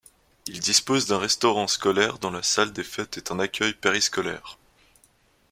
Ils disposent d'un restaurant scolaire dans la salle des fêtes et un accueil périscolaire.